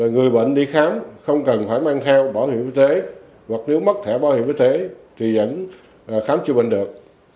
người bệnh đi khám không cần phải mang theo bảo hiểm y tế hoặc nếu mất thẻ bảo hiểm y tế thì vẫn khám chữa bệnh được